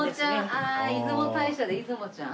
ああ出雲大社でいずもちゃん。